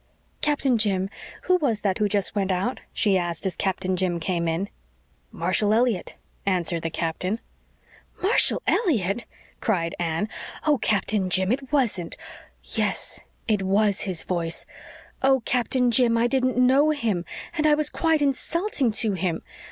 "Captain Jim, who was that who just went out?" she asked, as Captain Jim came in. "Marshall Elliott," answered the captain. "Marshall Elliott!" cried Anne. "Oh, Captain Jim it wasn't yes, it WAS his voice oh, Captain Jim, I didn't know him and I was quite insulting to him!